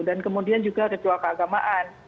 dan kemudian juga ritual keagamaan